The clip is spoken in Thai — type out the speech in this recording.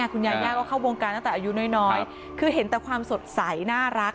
คุณยาย่าก็เข้าวงการตั้งแต่อายุน้อยคือเห็นแต่ความสดใสน่ารัก